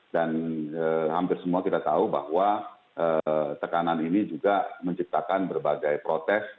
dan hampir semua kita tahu bahwa tekanan ini juga menciptakan berbagai protes